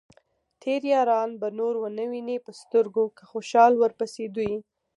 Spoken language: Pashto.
تېر ياران به نور ؤنه وينې په سترګو ، که خوشال ورپسې دوې